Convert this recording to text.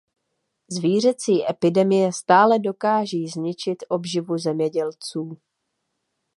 Zvířecí epidemie stále dokáží zničit obživu zemědělců.